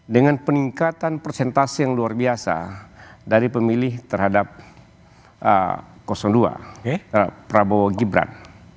dengan peningkatan persentase yang luar biasa dari pemilih terhadap dua prabowo gibran